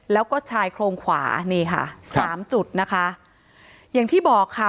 แล้วก็ชายโครงขวานี่ค่ะสามจุดนะคะอย่างที่บอกค่ะ